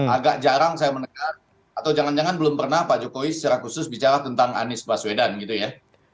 agak jarang saya mendengar atau jangan jangan belum pernah pak jokowi secara khusus bicara tentang anies baswedan gitu ya